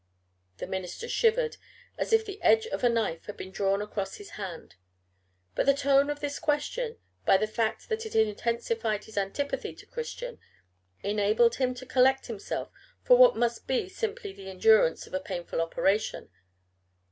The minister shivered as if the edge of a knife had been drawn across his hand. But the tone of this question, by the fact that it intensified his antipathy to Christian, enabled him to collect himself for what must be simply the endurance of a painful operation.